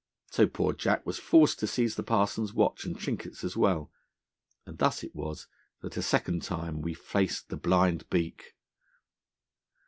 So poor Jack was forced to seize the parson's watch and trinkets as well, and thus it was that a second time we faced the Blind Beak.